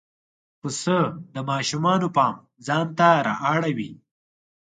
پسه د ماشومانو پام ځان ته را اړوي.